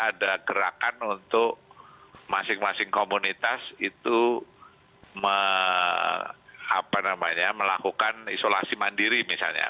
ada gerakan untuk masing masing komunitas itu melakukan isolasi mandiri misalnya